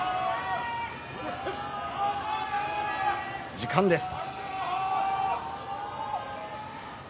時間です。